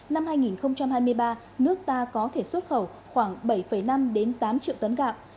năm hai nghìn hai mươi ba nước ta có thể xuất khẩu khoảng bảy năm tám triệu tấn gạo